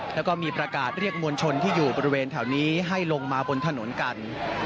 แล้วก็มีประกาศเรียกมวลชนที่อยู่บริเวณแถวนี้ให้ลงมาบนถนนกัน